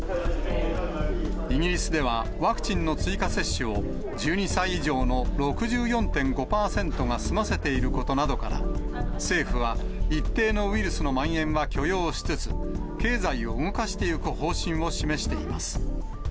イギリスでは、ワクチンの追加接種を１２歳以上の６４．５％が済ませていることなどから、政府は一定のウイルスのまん延は許容しつつ、経済を動かしていく方針を示しています。